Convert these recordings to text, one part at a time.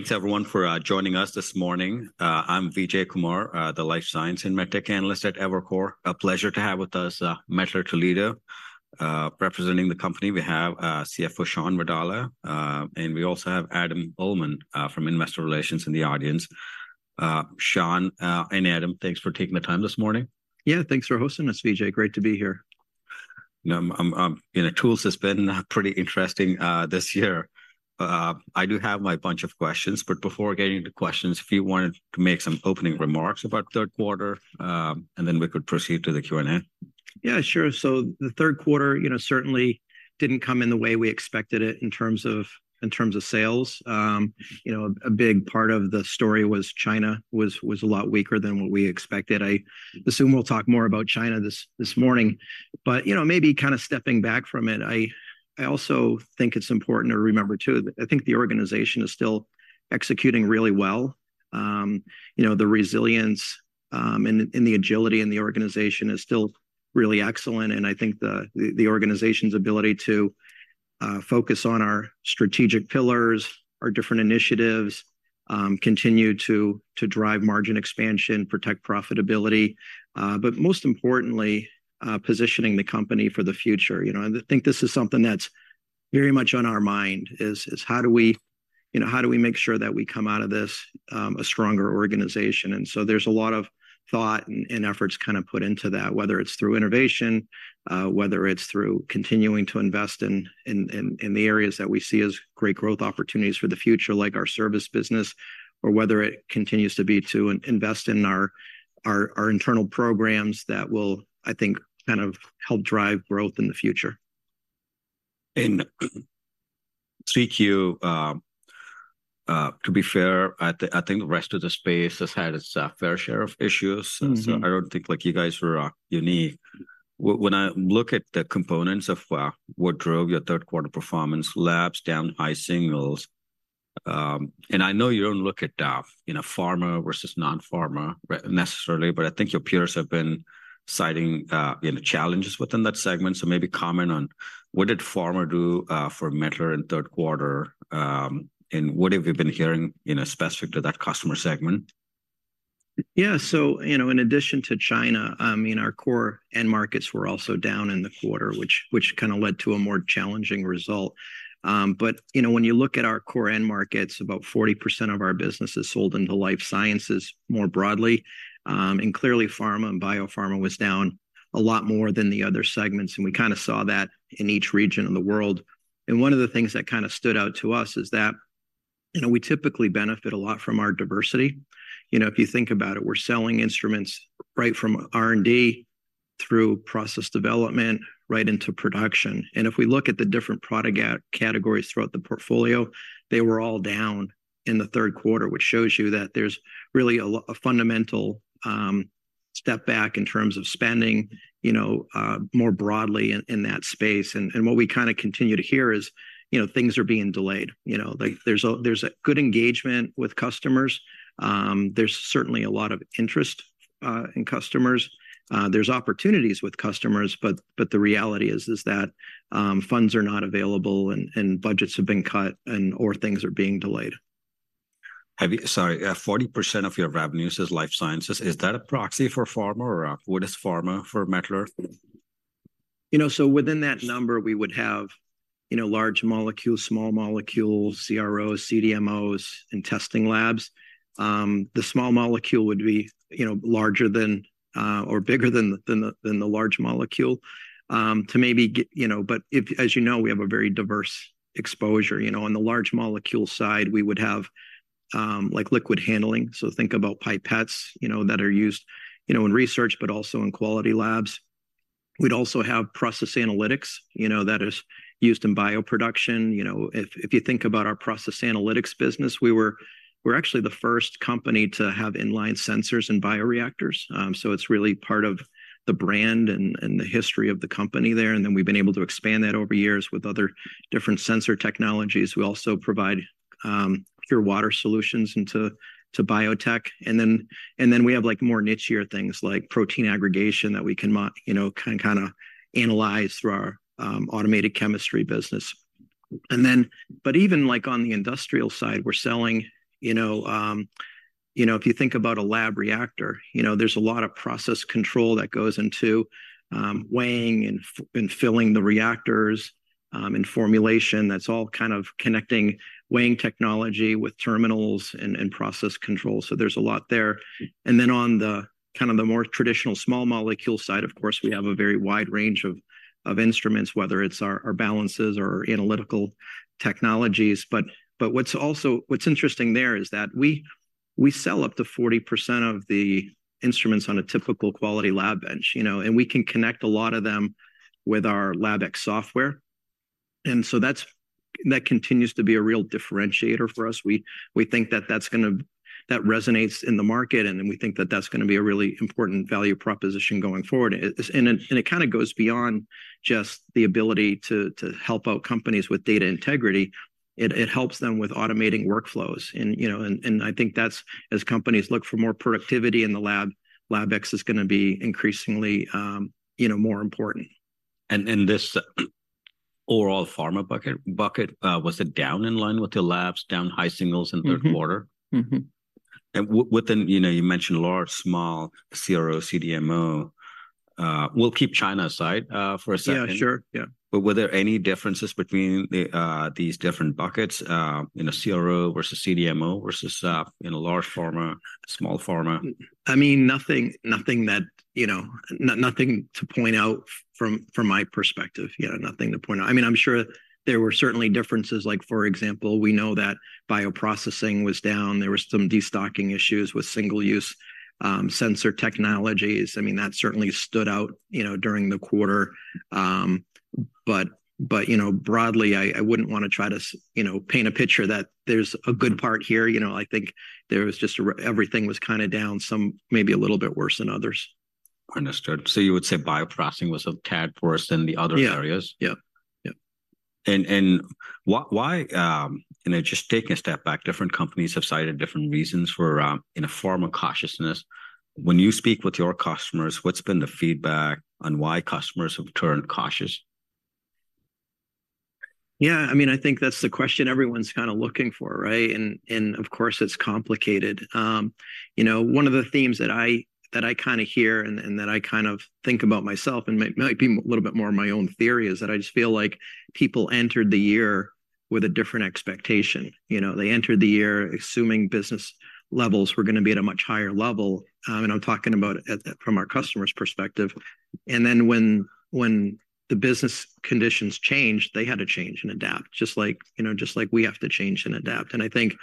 Thanks, everyone, for joining us this morning. I'm Vijay Kumar, the life science and med tech analyst at Evercore. A pleasure to have with us Mettler-Toledo. Representing the company, we have CFO Shawn Vadala, and we also have Adam Uhlman from Investor Relations in the audience. Shawn and Adam, thanks for taking the time this morning. Yeah, thanks for hosting us, Vijay. Great to be here. You know, tools has been pretty interesting this year. I do have my bunch of questions, but before getting to questions, if you wanted to make some opening remarks about third quarter, and then we could proceed to the Q&A. Yeah, sure. So the third quarter, you know, certainly didn't come in the way we expected it in terms of sales. You know, a big part of the story was China was a lot weaker than what we expected. I assume we'll talk more about China this morning. But, you know, maybe kind of stepping back from it, I also think it's important to remember, too, that I think the organization is still executing really well. You know, the resilience and the agility in the organization is still really excellent, and I think the organization's ability to focus on our strategic pillars, our different initiatives, continue to drive margin expansion, protect profitability, but most importantly, positioning the company for the future. You know, and I think this is something that's very much on our mind, is how do we, you know, how do we make sure that we come out of this a stronger organization? And so there's a lot of thought and efforts kind of put into that, whether it's through innovation, whether it's through continuing to invest in the areas that we see as great growth opportunities for the future, like our service business, or whether it continues to be to invest in our internal programs that will, I think, kind of help drive growth in the future. In Q3, to be fair, I think the rest of the space has had its fair share of issues. Mm-hmm. So I don't think, like, you guys were unique. When I look at the components of what drove your third quarter performance, labs down, high signals. I know you don't look at, you know, pharma versus non-pharma necessarily, but I think your peers have been citing, you know, challenges within that segment. So maybe comment on what did pharma do for Mettler in third quarter, and what have you been hearing, you know, specific to that customer segment? Yeah. So, you know, in addition to China, I mean, our core end markets were also down in the quarter, which kind of led to a more challenging result. But, you know, when you look at our core end markets, about 40% of our business is sold into life sciences more broadly. And clearly, pharma and biopharma was down a lot more than the other segments, and we kind of saw that in each region of the world. And one of the things that kind of stood out to us is that, you know, we typically benefit a lot from our diversity. You know, if you think about it, we're selling instruments right from R&D through process development right into production. If we look at the different product categories throughout the portfolio, they were all down in the third quarter, which shows you that there's really a fundamental step back in terms of spending, you know, more broadly in that space. And what we kind of continue to hear is, you know, things are being delayed. You know, like, there's a good engagement with customers, there's certainly a lot of interest in customers, there's opportunities with customers, but the reality is that funds are not available and budgets have been cut, or things are being delayed. Sorry, 40% of your revenues is life sciences. Is that a proxy for pharma, or, what is pharma for Mettler? You know, so within that number, we would have, you know, large molecules, small molecules, CROs, CDMOs, and testing labs. The small molecule would be, you know, larger than or bigger than the large molecule, you know. But, as you know, we have a very diverse exposure. You know, on the large molecule side, we would have, like, liquid handling. So think about pipettes, you know, that are used, you know, in research, but also in quality labs. We'd also have process analytics, you know, that is used in bioproduction. You know, if you think about our process analytics business, we're actually the first company to have in-line sensors and bioreactors. So it's really part of the brand and the history of the company there, and then we've been able to expand that over years with other different sensor technologies. We also provide pure water solutions into biotech. And then we have, like, more nichier things, like protein aggregation that we can you know kind of analyze through our automated chemistry business. And then, but even, like, on the industrial side, we're selling, you know, you know, if you think about a lab reactor, you know, there's a lot of process control that goes into weighing and filling the reactors and formulation. That's all kind of connecting weighing technology with terminals and process control, so there's a lot there. And then on the kind of the more traditional small molecule side, of course, we have a very wide range of instruments, whether it's our balances or analytical technologies. But what's also interesting there is that we sell up to 40% of the instruments on a typical quality lab bench, you know, and we can connect a lot of them with our LabX software. And so that's that continues to be a real differentiator for us. We think that that's gonna resonate in the market, and then we think that that's gonna be a really important value proposition going forward. And it kind of goes beyond just the ability to help out companies with data integrity. It helps them with automating workflows. You know, I think that's, as companies look for more productivity in the lab, LabX is gonna be increasingly, you know, more important. Overall pharma bucket, was it down in line with your labs, down high singles in third quarter? Mm-hmm. Mm-hmm. And within, you know, you mentioned large, small, CRO, CDMO. We'll keep China aside for a second. Yeah, sure, yeah. But were there any differences between these different buckets, you know, CRO versus CDMO versus, you know, large pharma, small pharma? I mean, nothing, nothing that, you know, nothing to point out from my perspective. Yeah, nothing to point out. I mean, I'm sure there were certainly differences, like for example, we know that bioprocessing was down. There were some destocking issues with single-use sensor technologies. I mean, that certainly stood out, you know, during the quarter. But, you know, broadly, I wouldn't want to try to you know, paint a picture that there's a good part here. You know, I think there was just a everything was kind of down, some maybe a little bit worse than others. Understood. So you would say bioprocessing was a tad worse than the other areas? Yeah. Yeah, yeah. Why, you know, just taking a step back, different companies have cited different reasons for, you know, pharma cautiousness. When you speak with your customers, what's been the feedback on why customers have turned cautious? Yeah, I mean, I think that's the question everyone's kind of looking for, right? And of course, it's complicated. You know, one of the themes that I kind of hear and that I kind of think about myself, and might be a little bit more of my own theory, is that I just feel like people entered the year with a different expectation. You know, they entered the year assuming business levels were gonna be at a much higher level. And I'm talking about from our customer's perspective. And then when the business conditions changed, they had to change and adapt, just like, you know, just like we have to change and adapt. I think,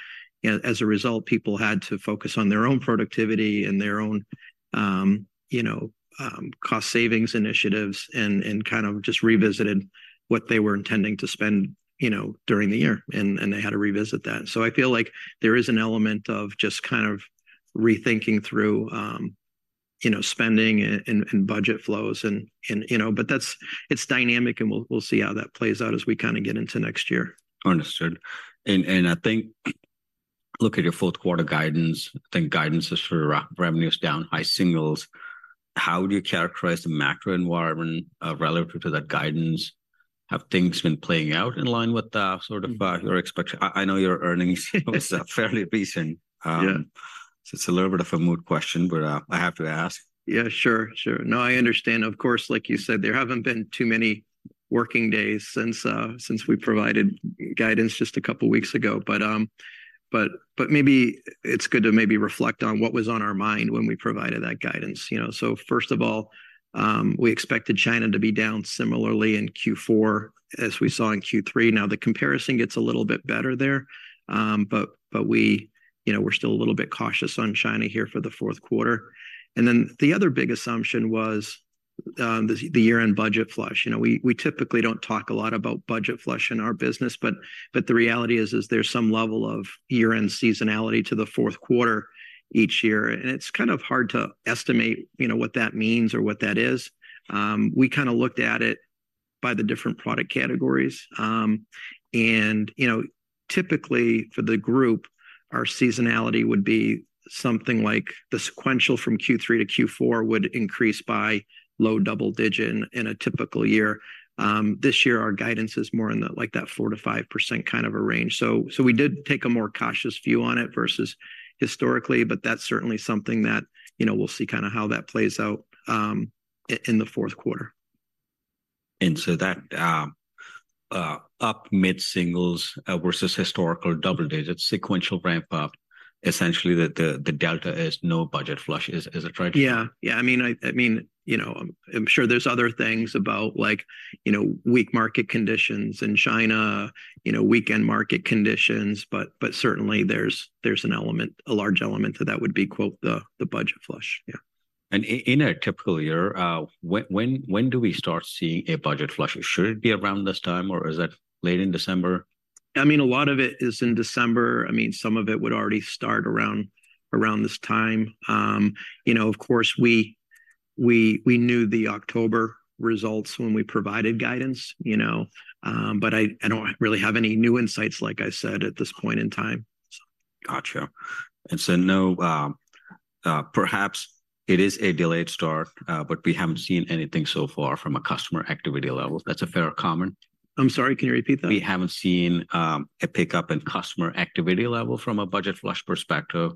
you know, as a result, people had to focus on their own productivity and their own, you know, cost savings initiatives, and kind of just revisited what they were intending to spend, you know, during the year, and they had to revisit that. So I feel like there is an element of just kind of rethinking through, you know, spending and budget flows and, you know... But it's dynamic, and we'll see how that plays out as we kind of get into next year. Understood. I think, look at your fourth quarter guidance. I think guidance is for revenue is down high singles. How do you characterize the macro environment, relative to that guidance? Have things been playing out in line with that sort of, your expectation? I know your earnings was fairly recent. Yeah. So it's a little bit of a moot question, but, I have to ask. Yeah, sure, sure. No, I understand. Of course, like you said, there haven't been too many working days since we provided guidance just a couple of weeks ago. But maybe it's good to reflect on what was on our mind when we provided that guidance, you know? So first of all, we expected China to be down similarly in fourth quarter as we saw in third quarter. Now, the comparison gets a little bit better there, but we, you know, we're still a little bit cautious on China here for the fourth quarter. And then, the other big assumption was the year-end budget flush. You know, we typically don't talk a lot about budget flush in our business, but the reality is there's some level of year-end seasonality to the fourth quarter each year, and it's kind of hard to estimate, you know, what that means or what that is. We kind of looked at it by the different product categories. And, you know, typically for the group, our seasonality would be something like the sequential from third quarter to fourth quarter would increase by low double digit in a typical year. This year, our guidance is more in the, like that 4%-5% kind of a range. So, we did take a more cautious view on it versus historically, but that's certainly something that, you know, we'll see kind of how that plays out, in the fourth quarter. So that up mid-singles versus historical double digits, sequential ramp-up, essentially the delta is no budget flush. Is it right? Yeah, yeah. I mean, you know, I'm sure there's other things about, like, you know, weak market conditions in China, you know, weak market conditions, but certainly there's an element, a large element to that would be, quote, "the budget flush." Yeah. In a typical year, when, when, when do we start seeing a budget flush? Should it be around this time, or is that late in December? I mean, a lot of it is in December. I mean, some of it would already start around this time. You know, of course, we knew the October results when we provided guidance, you know, but I don't really have any new insights, like I said, at this point in time. Gotcha. And so no, perhaps it is a delayed start, but we haven't seen anything so far from a customer activity level. That's a fair comment? I'm sorry, can you repeat that? We haven't seen a pickup in customer activity level from a budget flush perspective.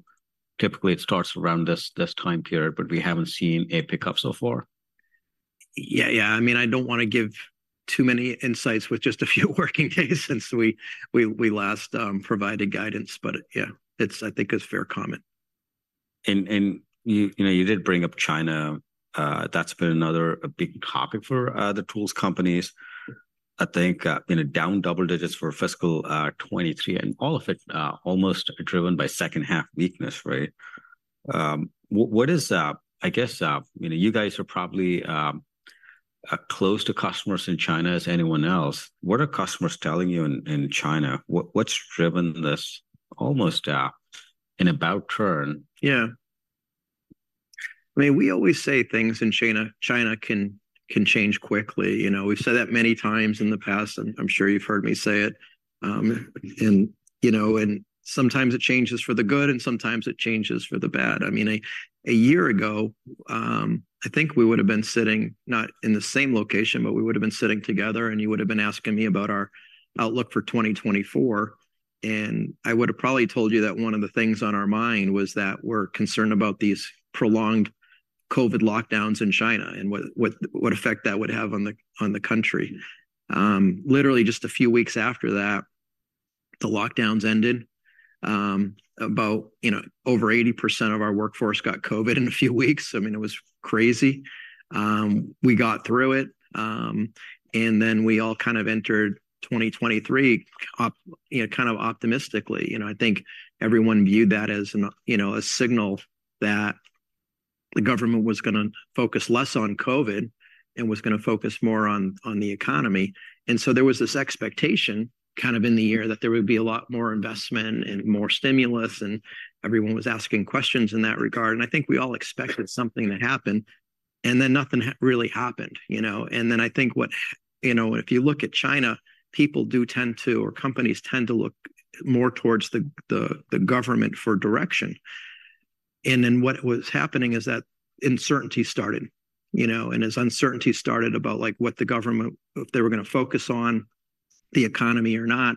Typically, it starts around this time period, but we haven't seen a pickup so far. Yeah, yeah. I mean, I don't want to give too many insights with just a few working days since we last provided guidance. But yeah, it's, I think it's a fair comment. You know, you did bring up China. That's been another big topic for the tools companies. I think you know, down double digits for fiscal 2023, and all of it almost driven by second half weakness, right? What is... I guess you know, you guys are probably close to customers in China as anyone else. What are customers telling you in China? What's driven this almost an about turn? Yeah. I mean, we always say things in China can change quickly. You know, we've said that many times in the past, and I'm sure you've heard me say it. And, you know, sometimes it changes for the good, and sometimes it changes for the bad. I mean, a year ago, I think we would've been sitting, not in the same location, but we would've been sitting together, and you would've been asking me about our outlook for 2024... and I would have probably told you that one of the things on our mind was that we're concerned about these prolonged COVID lockdowns in China, and what effect that would have on the country. Literally, just a few weeks after that, the lockdowns ended. About, you know, over 80% of our workforce got COVID in a few weeks. I mean, it was crazy. We got through it, and then we all kind of entered 2023, you know, kind of optimistically. You know, I think everyone viewed that as an, you know, a signal that the government was gonna focus less on COVID and was gonna focus more on, on the economy. And so there was this expectation, kind of in the year, that there would be a lot more investment and more stimulus, and everyone was asking questions in that regard. And I think we all expected something to happen, and then nothing really happened, you know? And then I think, you know, if you look at China, people do tend to, or companies tend to look more towards the, the, the government for direction. Then what was happening is that uncertainty started, you know. And as uncertainty started about, like, what the government—if they were gonna focus on the economy or not,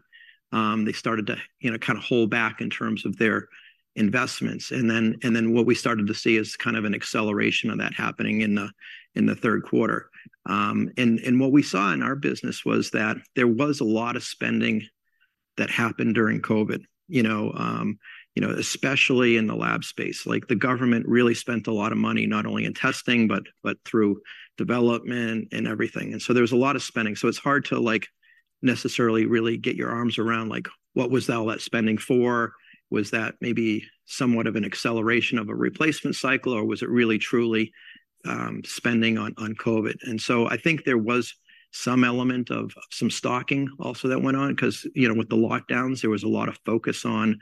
they started to, you know, kind of hold back in terms of their investments. And then what we started to see is kind of an acceleration of that happening in the third quarter. And what we saw in our business was that there was a lot of spending that happened during COVID, you know, you know, especially in the lab space. Like, the government really spent a lot of money, not only in testing, but through development and everything, and so there was a lot of spending. So it's hard to, like, necessarily really get your arms around, like, what was all that spending for? Was that maybe somewhat of an acceleration of a replacement cycle, or was it really, truly, spending on COVID? And so I think there was some element of some stocking also that went on because, you know, with the lockdowns, there was a lot of focus on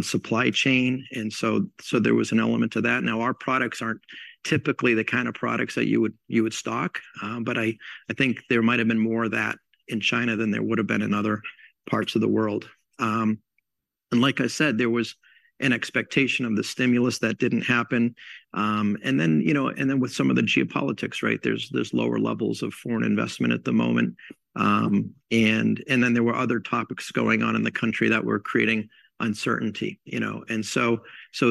supply chain, and so there was an element to that. Now, our products aren't typically the kind of products that you would stock, but I think there might have been more of that in China than there would've been in other parts of the world. And like I said, there was an expectation of the stimulus that didn't happen. And then, you know, and then with some of the geopolitics, right, there's lower levels of foreign investment at the moment. And then there were other topics going on in the country that were creating uncertainty, you know. So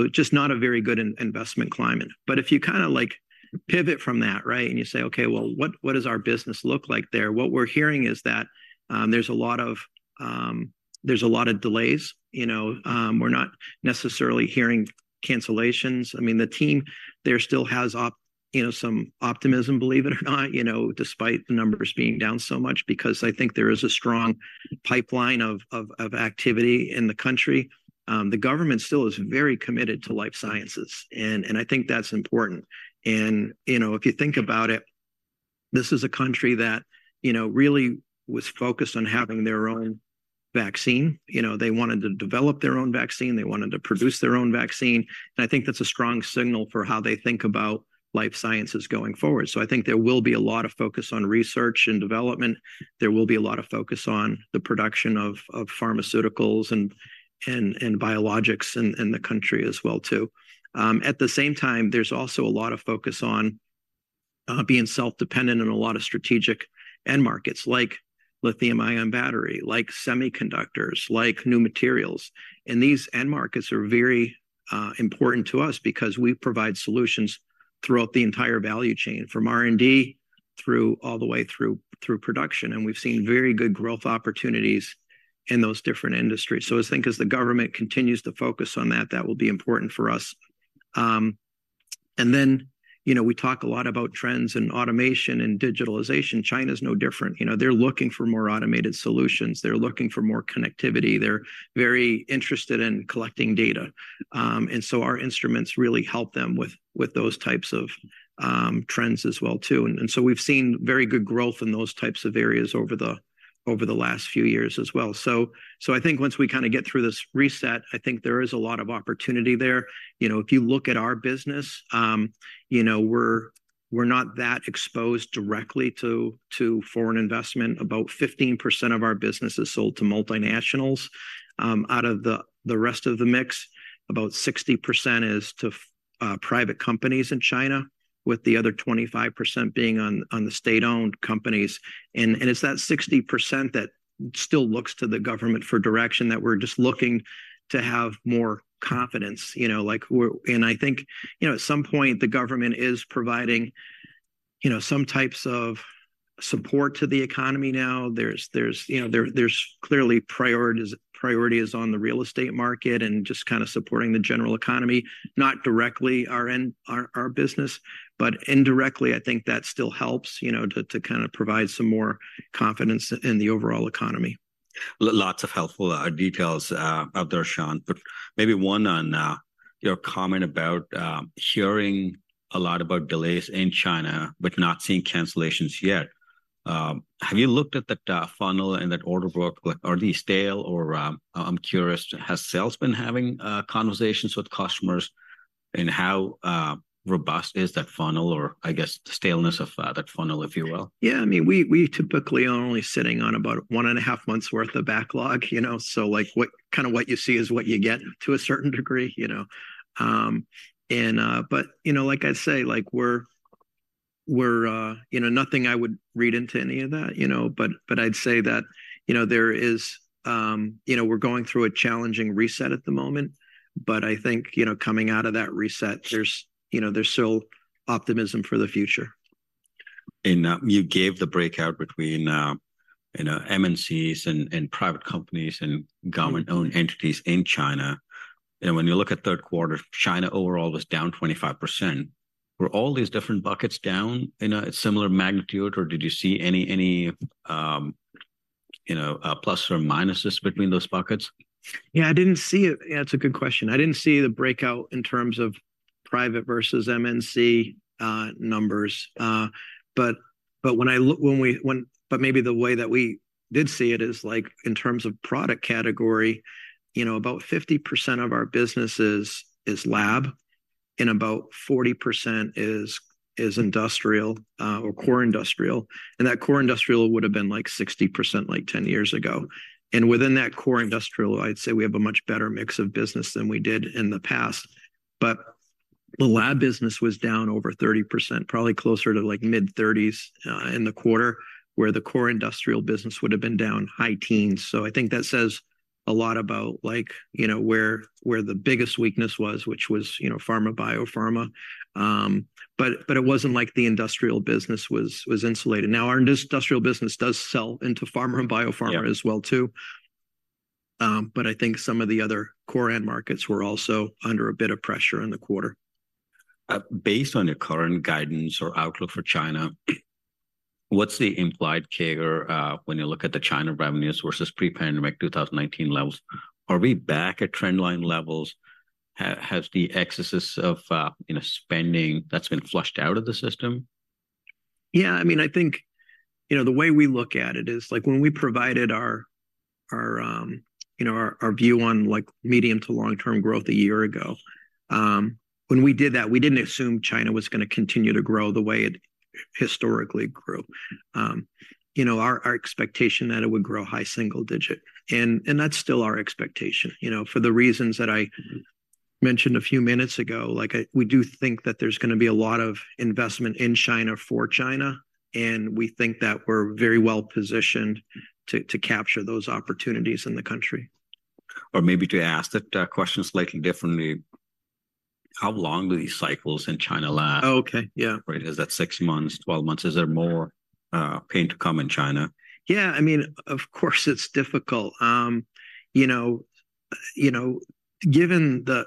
just not a very good investment climate. But if you kind of, like, pivot from that, right, and you say, "Okay, well, what does our business look like there?" What we're hearing is that there's a lot of delays. You know, we're not necessarily hearing cancellations. I mean, the team there still has some optimism, believe it or not, you know, despite the numbers being down so much because I think there is a strong pipeline of activity in the country. The government still is very committed to life sciences, and I think that's important. You know, if you think about it, this is a country that, you know, really was focused on having their own vaccine. You know, they wanted to develop their own vaccine. They wanted to produce their own vaccine, and I think that's a strong signal for how they think about life sciences going forward. So I think there will be a lot of focus on research and development. There will be a lot of focus on the production of pharmaceuticals and biologics in the country as well, too. At the same time, there's also a lot of focus on being self-dependent in a lot of strategic end markets, like lithium-ion battery, like semiconductors, like new materials. These end markets are very important to us because we provide solutions throughout the entire value chain, from R&D through, all the way through, through production, and we've seen very good growth opportunities in those different industries. So I think as the government continues to focus on that, that will be important for us. And then, you know, we talk a lot about trends in automation and digitalization. China's no different. You know, they're looking for more automated solutions. They're looking for more connectivity. They're very interested in collecting data. And so our instruments really help them with, with those types of, trends as well, too. And so we've seen very good growth in those types of areas over the last few years as well. So, I think once we kind of get through this reset, I think there is a lot of opportunity there. You know, if you look at our business, you know, we're, we're not that exposed directly to foreign investment. About 15% of our business is sold to multinationals. Out of the rest of the mix, about 60% is to private companies in China, with the other 25% being on the state-owned companies. And it's that 60% that still looks to the government for direction, that we're just looking to have more confidence, you know, like we're... And I think, you know, at some point, the government is providing, you know, some types of support to the economy now. You know, there's clearly priorities on the real estate market and just kind of supporting the general economy. Not directly our end, our business, but indirectly, I think that still helps, you know, to kind of provide some more confidence in the overall economy. Lots of helpful details out there, Shawn, but maybe one on your comment about hearing a lot about delays in China but not seeing cancellations yet. Have you looked at that funnel and that order book? Like, are they stale or, I'm curious, has sales been having conversations with customers, and how robust is that funnel or, I guess, the staleness of that funnel, if you will? Yeah, I mean, we typically are only sitting on about 1.5 months' worth of backlog, you know, so, like, what, kind of what you see is what you get to a certain degree, you know. And, but, you know, like I say, like, we're, you know, nothing I would read into any of that, you know? But, but I'd say that, you know, there is, you know, we're going through a challenging reset at the moment, but I think, you know, coming out of that reset, there's, you know, there's still optimism for the future. And, you gave the breakout between, you know, MNCs and, and private companies and government-owned entities in China. When you look at third quarter, China overall was down 25%. Were all these different buckets down in a similar magnitude, or did you see any, any, you know, plus or minuses between those buckets? Yeah, I didn't see it. Yeah, that's a good question. I didn't see the breakout in terms of private versus MNC numbers. But maybe the way that we did see it is, like, in terms of product category, you know, about 50% of our business is lab, and about 40% is industrial, or core industrial. And that core industrial would have been, like, 60%, like, 10 years ago. And within that core industrial, I'd say we have a much better mix of business than we did in the past. But the lab business was down over 30%, probably closer to, like, mid-30s%, in the quarter, where the core industrial business would have been down high teens%. So I think that says a lot about, like, you know, where the biggest weakness was, which was, you know, pharma, biopharma. But it wasn't like the industrial business was insulated. Now, our industrial business does sell into pharma and biopharma- Yeah as well, too. But I think some of the other core end markets were also under a bit of pressure in the quarter. Based on your current guidance or outlook for China, what's the implied CAGR, when you look at the China revenues versus pre-pandemic 2019 levels? Are we back at trendline levels? Has the excesses of, you know, spending that's been flushed out of the system? Yeah, I mean, I think, you know, the way we look at it is, like, when we provided our view on, like, medium to long-term growth a year ago, when we did that, we didn't assume China was gonna continue to grow the way it historically grew. You know, our expectation that it would grow high single digit, and that's still our expectation. You know, for the reasons that I mentioned a few minutes ago, like, we do think that there's gonna be a lot of investment in China for China, and we think that we're very well positioned to capture those opportunities in the country. Or maybe to ask the question slightly differently: How long do these cycles in China last? Oh, okay. Yeah. Right. Is that six months, 12 months? Is there more, pain to come in China? Yeah, I mean, of course it's difficult. You know, you know, given the...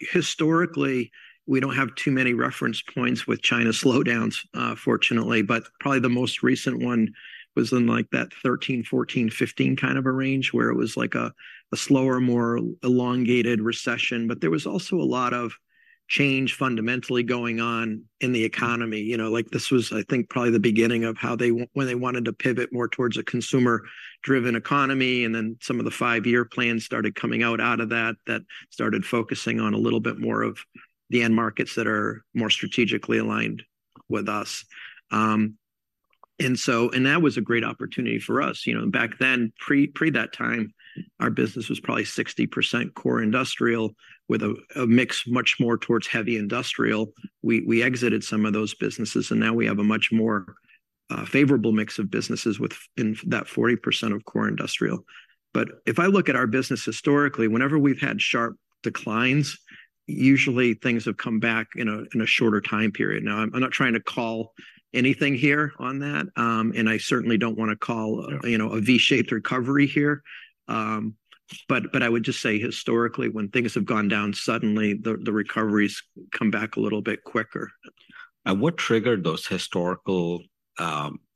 historically, we don't have too many reference points with China slowdowns, fortunately, but probably the most recent one was in, like, that 2013, 2014, 2015 kind of a range, where it was like a slower, more elongated recession. But there was also a lot of change fundamentally going on in the economy. You know, like, this was, I think, probably the beginning of how they when they wanted to pivot more towards a consumer-driven economy, and then some of the five-year plans started coming out, out of that, that started focusing on a little bit more of the end markets that are more strategically aligned with us. And so, and that was a great opportunity for us. You know, back then, pre that time, our business was probably 60% core industrial, with a mix much more towards heavy industrial. We exited some of those businesses, and now we have a much more favorable mix of businesses with 40% of core industrial. But if I look at our business historically, whenever we've had sharp declines, usually things have come back in a shorter time period. Now, I'm not trying to call anything here on that, and I certainly don't want to call- Yeah... you know, a V-shaped recovery here. But I would just say, historically, when things have gone down suddenly, the recoveries come back a little bit quicker. What triggered those historical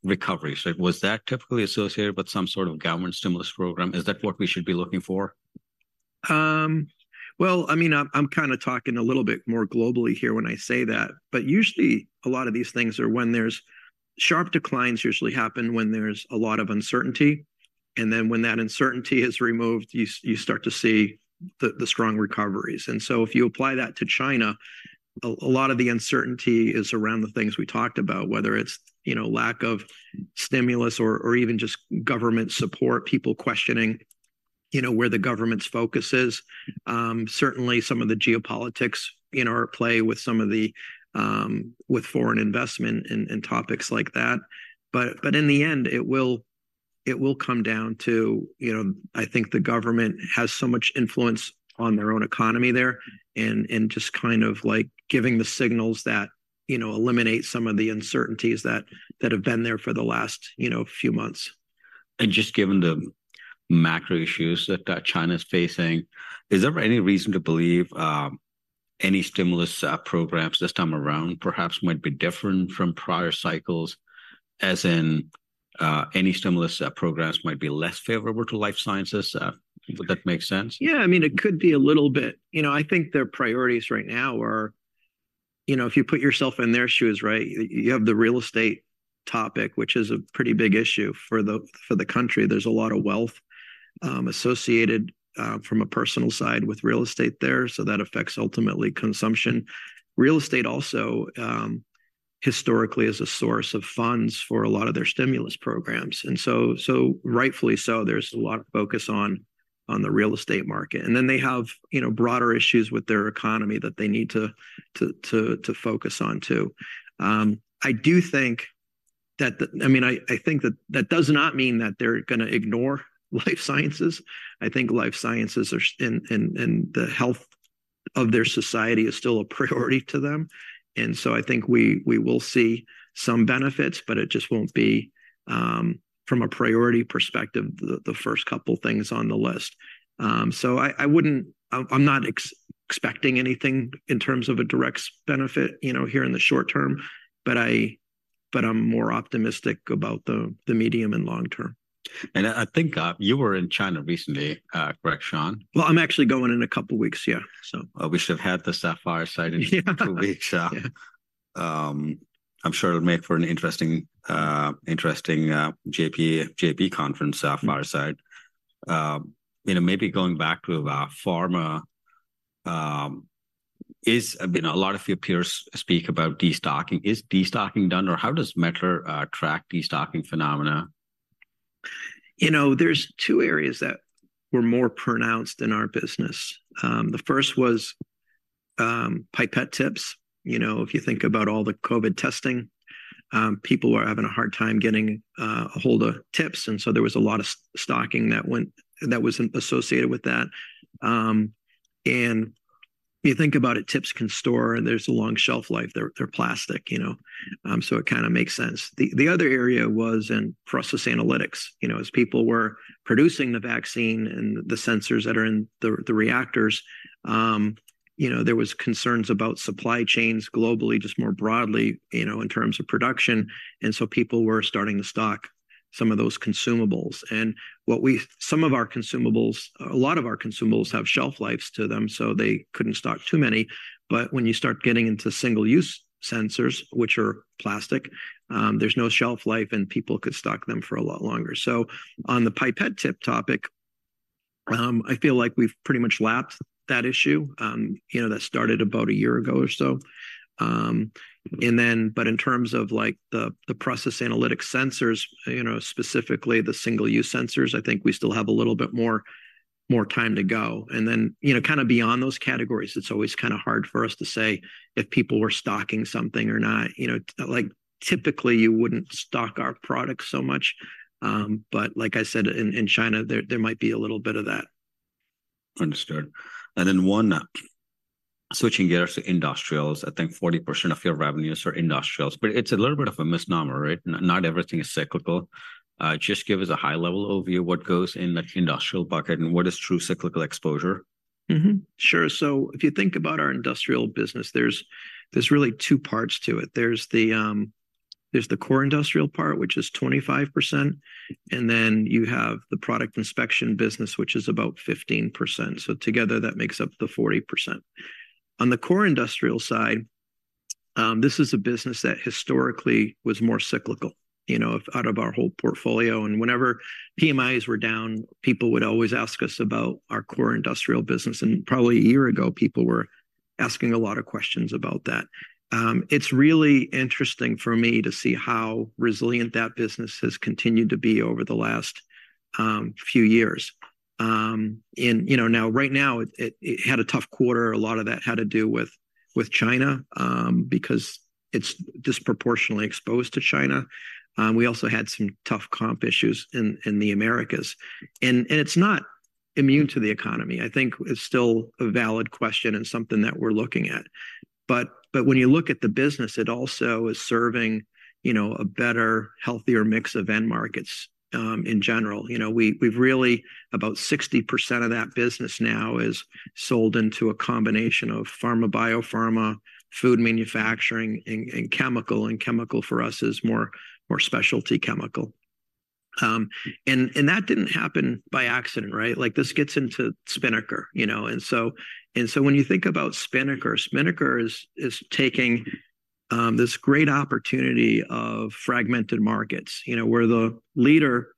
recoveries? Like, was that typically associated with some sort of government stimulus program? Is that what we should be looking for? Well, I mean, I'm kind of talking a little bit more globally here when I say that, but usually a lot of these things are when there's... Sharp declines usually happen when there's a lot of uncertainty, and then when that uncertainty is removed, you start to see the strong recoveries. And so, if you apply that to China, a lot of the uncertainty is around the things we talked about, whether it's, you know, lack of stimulus or even just government support, people questioning, you know, where the government's focus is. Certainly, some of the geopolitics, you know, are at play with some of the foreign investment and topics like that. But in the end, it will come down to, you know, I think the government has so much influence on their own economy there, and just kind of, like, giving the signals that, you know, eliminate some of the uncertainties that have been there for the last, you know, few months. Just given the macro issues that China's facing, is there any reason to believe any stimulus programs this time around perhaps might be different from prior cycles, as in, any stimulus programs might be less favorable to life sciences? Would that make sense? Yeah, I mean, it could be a little bit. You know, I think their priorities right now are, you know, if you put yourself in their shoes, right, you have the real estate topic, which is a pretty big issue for the country. There's a lot of wealth associated from a personal side with real estate there, so that affects, ultimately, consumption. Real estate also historically is a source of funds for a lot of their stimulus programs, and so rightfully so, there's a lot of focus on the real estate market, and then they have, you know, broader issues with their economy that they need to focus on, too. I do think that the—I mean, I think that that does not mean that they're gonna ignore life sciences. I think life sciences are, and the health of their society is still a priority to them, and so I think we will see some benefits, but it just won't be from a priority perspective, the first couple things on the list. So I wouldn't. I'm not expecting anything in terms of a direct benefit, you know, here in the short term, but I'm more optimistic about the medium and long term. I think you were in China recently, correct, Shawn? Well, I'm actually going in a couple of weeks. Yeah, so- Oh, we should have had the fireside in- Yeah... two weeks. I'm sure it'll make for an interesting, interesting, J.P. Morgan conference fireside. You know, maybe going back to pharma... You know, a lot of your peers speak about destocking. Is destocking done, or how does Mettler-Toledo track destocking phenomena? You know, there's two areas that were more pronounced in our business. The first was pipette tips. You know, if you think about all the COVID testing, people were having a hard time getting a hold of tips, and so there was a lot of stocking that went that was associated with that. And you think about it, tips can store, and there's a long shelf life. They're plastic, you know, so it kind of makes sense. The other area was in process analytics. You know, as people were producing the vaccine and the sensors that are in the reactors, you know, there was concerns about supply chains globally, just more broadly, you know, in terms of production, and so people were starting to stock some of those consumables. Some of our consumables, a lot of our consumables have shelf lives to them, so they couldn't stock too many. But when you start getting into single-use sensors, which are plastic, there's no shelf life, and people could stock them for a lot longer. So on the pipette tip topic, I feel like we've pretty much lapped that issue, you know, that started about a year ago or so. And then, but in terms of, like, the process analytics sensors, you know, specifically the single-use sensors, I think we still have a little bit more time to go. And then, you know, kind of beyond those categories, it's always kind of hard for us to say if people were stocking something or not, you know. Like, typically, you wouldn't stock our products so much, but like I said, in China, there might be a little bit of that. Understood. Then one, switching gears to industrials. I think 40% of your revenues are industrials, but it's a little bit of a misnomer, right? Just give us a high-level overview, what goes in the industrial bucket and what is true cyclical exposure? Mm-hmm. Sure. So if you think about our industrial business, there's really two parts to it. There's the core industrial part, which is 25%, and then you have the product inspection business, which is about 15%. So together, that makes up the 40%. On the core industrial side, this is a business that historically was more cyclical, you know, out of our whole portfolio. And whenever PMIs were down, people would always ask us about our core industrial business, and probably a year ago, people were asking a lot of questions about that. It's really interesting for me to see how resilient that business has continued to be over the last few years. And you know, now, right now, it had a tough quarter. A lot of that had to do with China, because it's disproportionately exposed to China. We also had some tough comp issues in the Americas. And it's not immune to the economy. I think it's still a valid question and something that we're looking at. But when you look at the business, it also is serving, you know, a better, healthier mix of end markets in general. You know, we've really about 60% of that business now is sold into a combination of pharma, biopharma, food manufacturing, and chemical, and chemical for us is more specialty chemical. And that didn't happen by accident, right? Like, this gets into Spinnaker, you know, and so when you think about Spinnaker, Spinnaker is taking this great opportunity of fragmented markets. You know, we're the leader,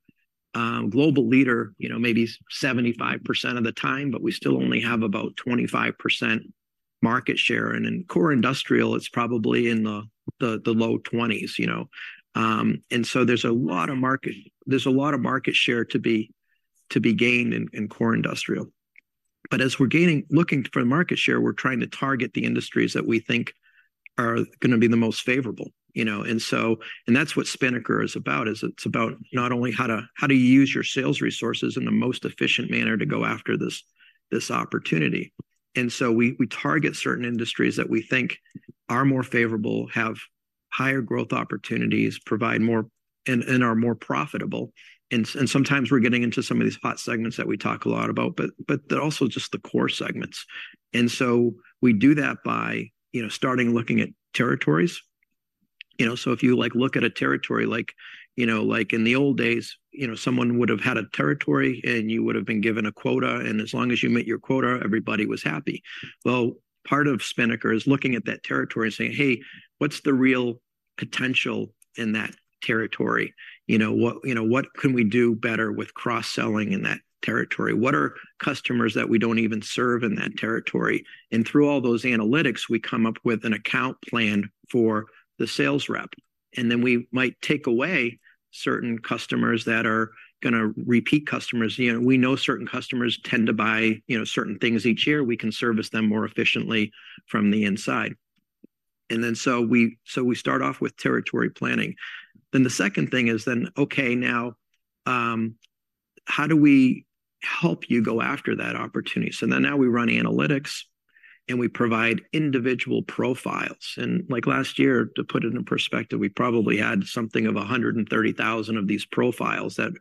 global leader, you know, maybe 75% of the time, but we still only have about 25% market share, and in core industrial, it's probably in the low 20s, you know. And so there's a lot of market share to be gained in core industrial. But as we're looking for the market share, we're trying to target the industries that we think are gonna be the most favorable, you know, and so. And that's what Spinnaker is about, is it's about not only how to, how do you use your sales resources in the most efficient manner to go after this opportunity? And so we target certain industries that we think are more favorable, have higher growth opportunities, provide more, and are more profitable. And sometimes we're getting into some of these hot segments that we talk a lot about, but they're also just the core segments. And so we do that by, you know, starting looking at territories. You know, so if you, like, look at a territory, like, you know, like in the old days, you know, someone would have had a territory, and you would have been given a quota, and as long as you met your quota, everybody was happy. Well, part of Spinnaker is looking at that territory and saying, "Hey, what's the real potential in that territory? You know, what - You know, what can we do better with cross-selling in that territory? What are customers that we don't even serve in that territory?" And through all those analytics, we come up with an account plan for the sales rep, and then we might take away-... Certain customers that are gonna repeat customers. You know, we know certain customers tend to buy, you know, certain things each year. We can service them more efficiently from the inside. And then so we start off with territory planning. Then the second thing is then, okay, now, how do we help you go after that opportunity? So then now we run analytics, and we provide individual profiles. And like last year, to put it in perspective, we probably had something of 130,000 of these profiles that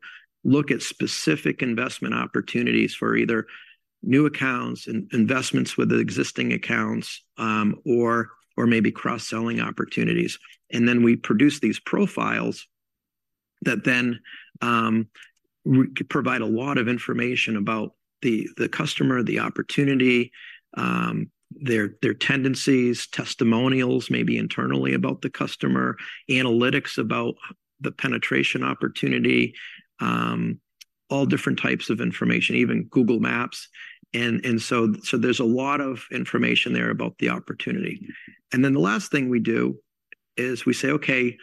look at specific investment opportunities for either new accounts, investments with existing accounts, or maybe cross-selling opportunities. And then we produce these profiles that then we provide a lot of information about the customer, the opportunity, their tendencies, testimonials, maybe internally about the customer, analytics about the penetration opportunity, all different types of information, even Google Maps. And so there's a lot of information there about the opportunity. And then the last thing we do is we say, okay,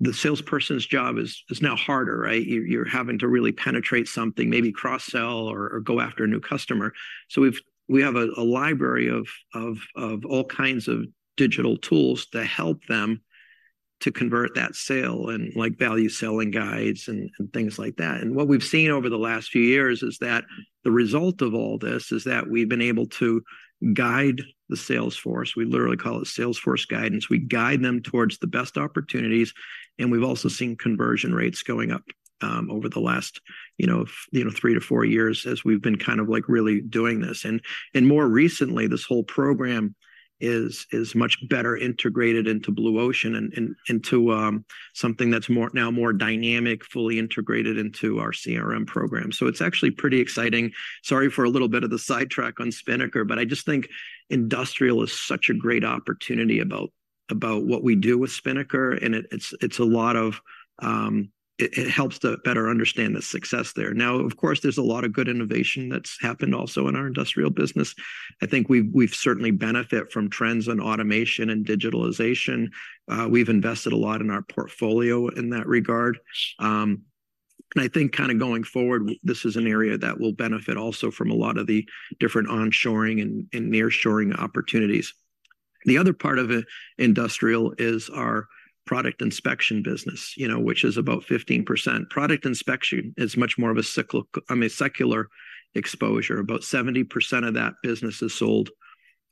the salesperson's job is now harder, right? You're having to really penetrate something, maybe cross-sell or go after a new customer. So we have a library of all kinds of digital tools to help them to convert that sale, and like value selling guides and things like that. And what we've seen over the last few years is that the result of all this is that we've been able to guide the sales force. We literally call it sales force guidance. We guide them towards the best opportunities, and we've also seen conversion rates going up, over the last, you know, you know, three to four years as we've been kind of, like, really doing this. And more recently, this whole program is much better integrated into Blue Ocean and into something that's more, now more dynamic, fully integrated into our CRM program. So it's actually pretty exciting. Sorry for a little bit of the sidetrack on Spinnaker, but I just think industrial is such a great opportunity about what we do with Spinnaker, and it's a lot of. It helps to better understand the success there. Now, of course, there's a lot of good innovation that's happened also in our industrial business. I think we've certainly benefit from trends in automation and digitalization. We've invested a lot in our portfolio in that regard. And I think kind of going forward, this is an area that will benefit also from a lot of the different on-shoring and near-shoring opportunities. The other part of it, industrial, is our Product Inspection business, you know, which is about 15%. Product Inspection is much more of a cyclic- I mean, secular exposure. About 70% of that business is sold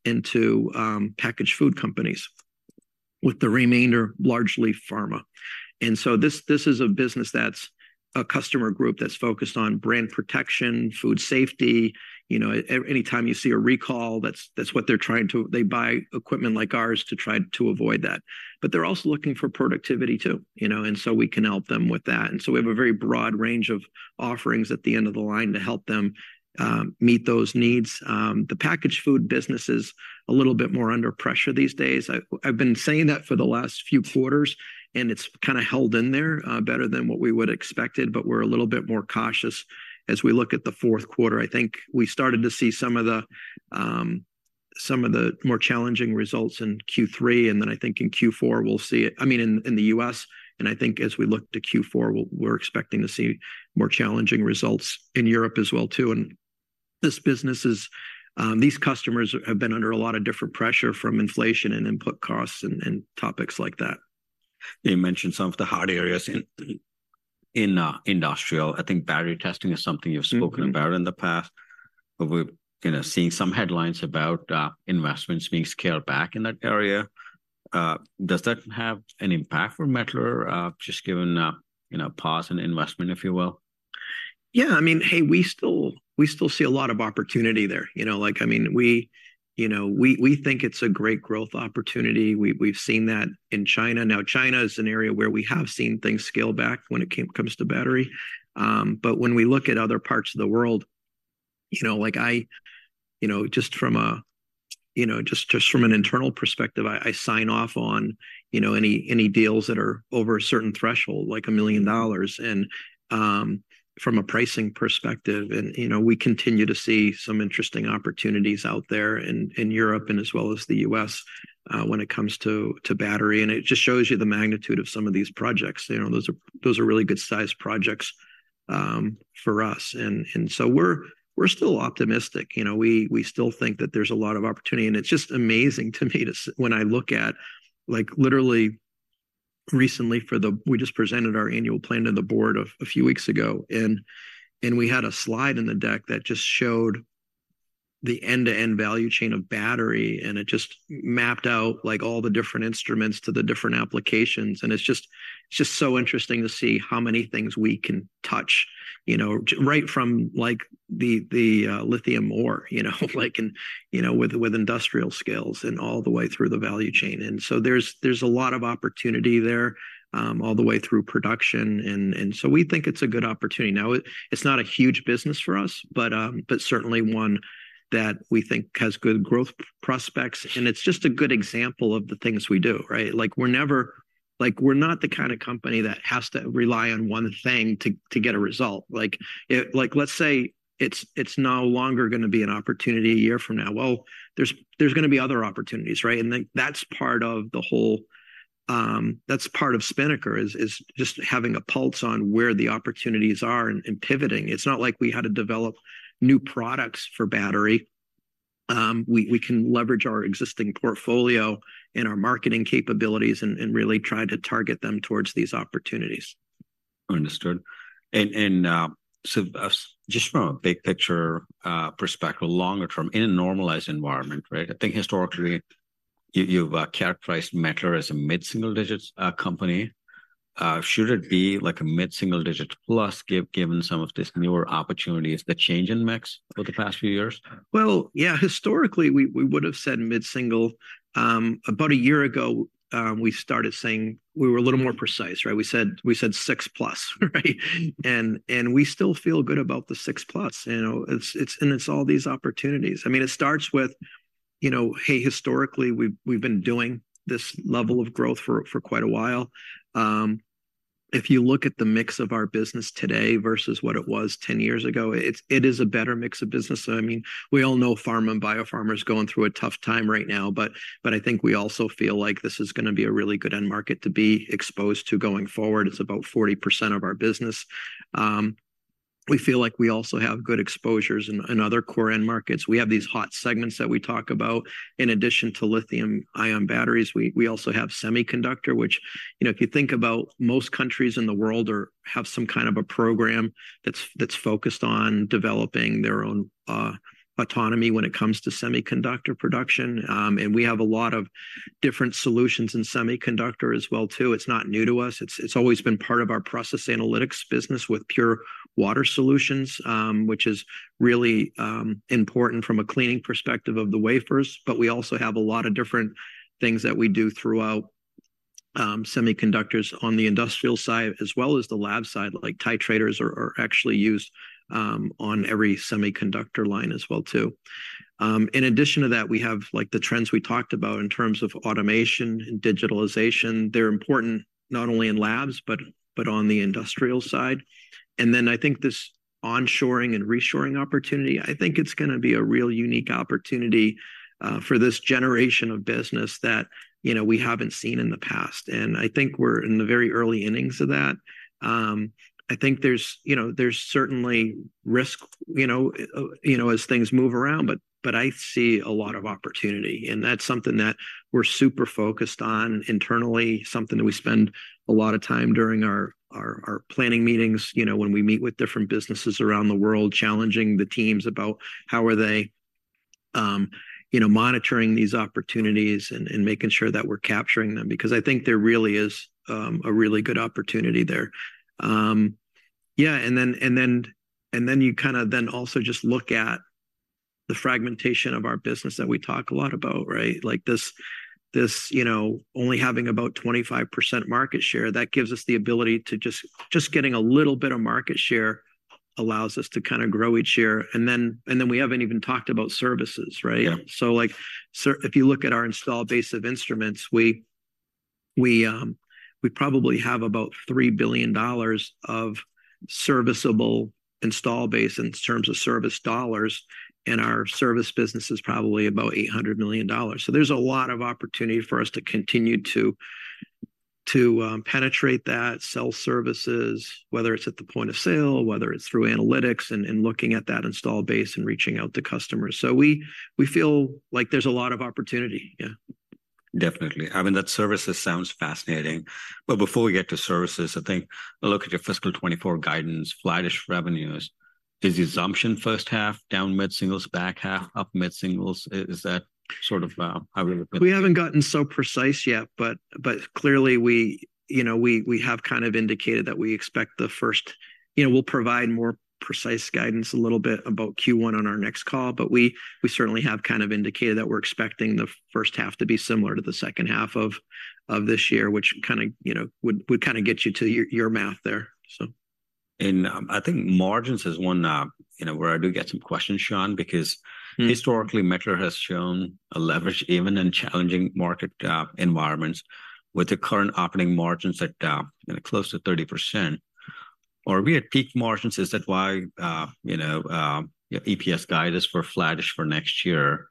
into packaged food companies, with the remainder largely pharma. And so this, this is a business that's a customer group that's focused on brand protection, food safety. You know, anytime you see a recall, that's what they're trying to. They buy equipment like ours to try to avoid that. But they're also looking for productivity, too, you know, and so we can help them with that. And so we have a very broad range of offerings at the end of the line to help them meet those needs. The packaged food business is a little bit more under pressure these days. I've been saying that for the last few quarters, and it's kinda held in there better than what we would expected, but we're a little bit more cautious as we look at the fourth quarter. I think we started to see some of the more challenging results in Q3, and then I think in Q4, we'll see it... I mean, in the U.S., and I think as we look to Q4, we're expecting to see more challenging results in Europe as well, too. And this business is, these customers have been under a lot of different pressure from inflation and input costs and topics like that. You mentioned some of the hard areas in industrial. I think battery testing is something- Mm-hmm... you've spoken about in the past, but we've, you know, seen some headlines about investments being scaled back in that area. Does that have an impact for Mettler-Toledo, just given a, you know, pause in investment, if you will? Yeah. I mean, hey, we still see a lot of opportunity there. You know, like, I mean, we think it's a great growth opportunity. We've seen that in China. Now, China is an area where we have seen things scale back when it comes to battery, but when we look at other parts of the world, you know, like you know, just from an internal perspective, I sign off on any deals that are over a certain threshold, like $1 million. And from a pricing perspective and, you know, we continue to see some interesting opportunities out there in Europe and as well as the U.S., when it comes to battery. And it just shows you the magnitude of some of these projects. You know, those are, those are really good-sized projects for us. And so we're still optimistic. You know, we still think that there's a lot of opportunity, and it's just amazing to me to see when I look at, like, literally recently for the... We just presented our annual plan to the board a few weeks ago, and we had a slide in the deck that just showed the end-to-end value chain of battery, and it just mapped out, like, all the different instruments to the different applications. And it's just, it's just so interesting to see how many things we can touch, you know, right from, like, the, the lithium ore, you know, like, and, you know, with industrial scales and all the way through the value chain. And so there's a lot of opportunity there all the way through production, and so we think it's a good opportunity. Now, it's not a huge business for us, but certainly one that we think has good growth prospects, and it's just a good example of the things we do, right? Like, we're never like, we're not the kind of company that has to rely on one thing to get a result. Like, let's say, it's no longer gonna be an opportunity a year from now. Well, there's gonna be other opportunities, right? And then, that's part of the whole, that's part of Spinnaker, is just having a pulse on where the opportunities are and pivoting. It's not like we had to develop new products for battery. We can leverage our existing portfolio and our marketing capabilities and really try to target them towards these opportunities. Understood. So, just from a big picture perspective, longer term, in a normalized environment, right? I think historically, you've characterized Mettler-Toledo as a mid-single digits company. Should it be like a mid-single digit plus, given some of these newer opportunities, the change in mix over the past few years? Well, yeah, historically, we, we would've said mid-single. About a year ago, we started saying... We were a little more precise, right? We said, we said 6%+, right? And, and we still feel good about the 6%+. You know, it's, it's- and it's all these opportunities. I mean, it starts with, you know, hey, historically, we've, we've been doing this level of growth for, for quite a while. If you look at the mix of our business today versus what it was 10 years ago, it's, it is a better mix of business. So I mean, we all know pharma and biopharma is going through a tough time right now, but, but I think we also feel like this is gonna be a really good end market to be exposed to going forward. It's about 40% of our business. We feel like we also have good exposures in other core end markets. We have these hot segments that we talk about. In addition to lithium-ion batteries, we also have semiconductor, which, you know, if you think about most countries in the world have some kind of a program that's focused on developing their own autonomy when it comes to semiconductor production. And we have a lot of different solutions in semiconductor as well, too. It's not new to us. It's always been part of our process analytics business with pure water solutions, which is really important from a cleaning perspective of the wafers. But we also have a lot of different things that we do throughout semiconductors on the industrial side, as well as the lab side, like titrators are actually used on every semiconductor line as well, too. In addition to that, we have, like, the trends we talked about in terms of automation and digitalization. They're important not only in labs, but on the industrial side. And then I think this on-shoring and reshoring opportunity, I think it's gonna be a real unique opportunity for this generation of business that, you know, we haven't seen in the past. And I think we're in the very early innings of that. I think there's, you know, there's certainly risk, you know, as things move around, but I see a lot of opportunity, and that's something that we're super focused on internally, something that we spend a lot of time during our planning meetings, you know, when we meet with different businesses around the world, challenging the teams about how are they, you know, monitoring these opportunities and making sure that we're capturing them. Because I think there really is a really good opportunity there. Yeah, and then you kind of also just look at the fragmentation of our business that we talk a lot about, right? Like this, you know, only having about 25% market share, that gives us the ability. Just getting a little bit of market share allows us to kind of grow each year. And then we haven't even talked about services, right? Yeah. Like, if you look at our installed base of instruments, we probably have about $3 billion of serviceable install base in terms of service dollars, and our service business is probably about $800 million. So there's a lot of opportunity for us to continue to penetrate that, sell services, whether it's at the point of sale, whether it's through analytics, and looking at that install base and reaching out to customers. So we feel like there's a lot of opportunity. Yeah. Definitely. I mean, that services sounds fascinating, but before we get to services, I think look at your fiscal 2024 guidance, flattish revenues. Is the assumption first half down mid-singles, back half up mid-singles? Is, is that sort of, how we look at it? We haven't gotten so precise yet, but clearly, you know, we have kind of indicated that we expect the first... You know, we'll provide more precise guidance a little bit about 1Q on our next call, but we certainly have kind of indicated that we're expecting the first half to be similar to the second half of this year, which kind of, you know, would kind of get you to your math there, so. I think margins is one, you know, where I do get some questions, Shawn, because- Mm... historically, Mettler-Toledo has shown a leverage even in challenging market environments, with the current operating margins at, you know, close to 30%. Are we at peak margins? Is that why, you know, EPS guidance for flattish for next year?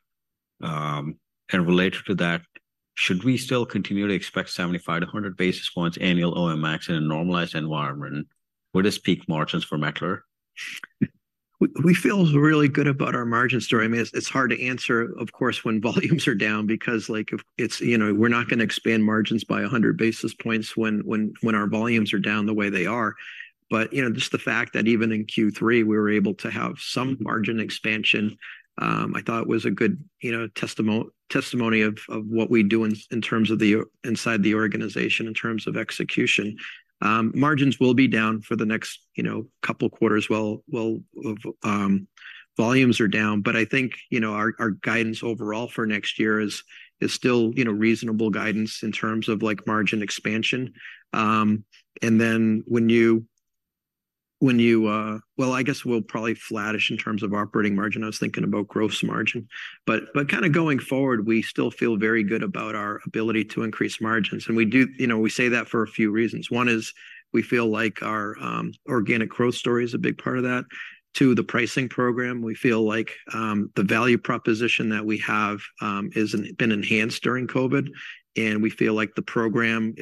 And related to that, should we still continue to expect 75 to 100 basis points annual OM expansion in a normalized environment? What is peak margins for Mettler-Toledo? We feel really good about our margin story. I mean, it's hard to answer, of course, when volumes are down because, like, you know, we're not gonna expand margins by 100 basis points when our volumes are down the way they are. But, you know, just the fact that even in 3Q, we were able to have some margin expansion. I thought was a good, you know, testimony of what we do in terms of the inside the organization, in terms of execution. Margins will be down for the next, you know, couple quarters, while volumes are down. But I think, you know, our guidance overall for next year is still, you know, reasonable guidance in terms of, like, margin expansion. And then when you... Well, I guess we're probably flattish in terms of operating margin. I was thinking about gross margin. But kind of going forward, we still feel very good about our ability to increase margins, and we do. You know, we say that for a few reasons. One is, we feel like our organic growth story is a big part of that. Two, the pricing program, we feel like the value proposition that we have is been enhanced during COVID, and we feel like the program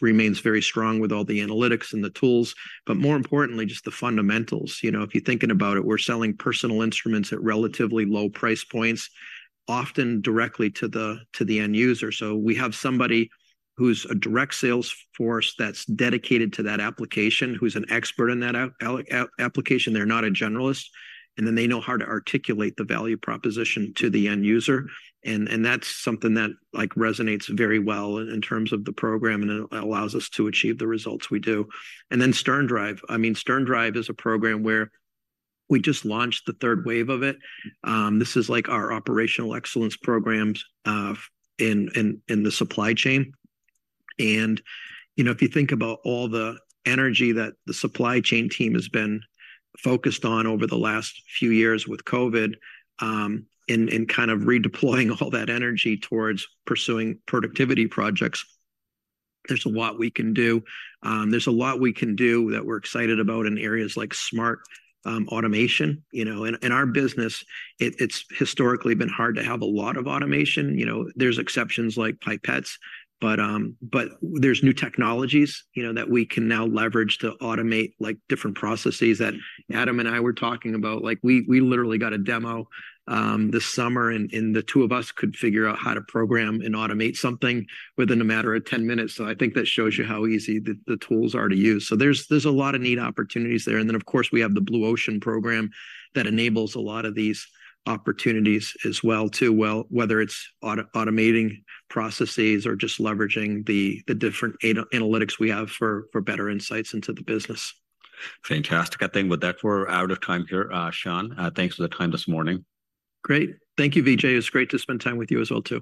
remains very strong with all the analytics and the tools, but more importantly, just the fundamentals. You know, if you're thinking about it, we're selling personal instruments at relatively low price points, often directly to the end user. So we have somebody-... who's a direct sales force that's dedicated to that application, who's an expert in that application. They're not a generalist, and then they know how to articulate the value proposition to the end user. And that's something that, like, resonates very well in terms of the program, and it allows us to achieve the results we do. And then SternDrive. I mean, SternDrive is a program where we just launched the third wave of it. This is like our operational excellence programs in the supply chain. And, you know, if you think about all the energy that the supply chain team has been focused on over the last few years with COVID, and kind of redeploying all that energy towards pursuing productivity projects, there's a lot we can do. There's a lot we can do that we're excited about in areas like smart automation. You know, in our business, it's historically been hard to have a lot of automation. You know, there's exceptions like pipettes, but there's new technologies, you know, that we can now leverage to automate, like, different processes that Adam and I were talking about. Like, we literally got a demo this summer, and the two of us could figure out how to program and automate something within a matter of 10 minutes. So I think that shows you how easy the tools are to use. So there's a lot of neat opportunities there. And then, of course, we have the Blue Ocean program that enables a lot of these opportunities as well, too. Well, whether it's automating processes or just leveraging the different analytics we have for better insights into the business. Fantastic. I think with that, we're out of time here, Shawn. Thanks for the time this morning. Great. Thank you, Vijay. It's great to spend time with you as well, too.